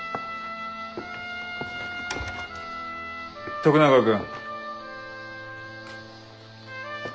徳永君。